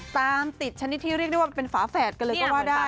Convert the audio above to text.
ตามติดชนิดที่เรียกได้ว่าเป็นฝาแฝดกันเลยก็ว่าได้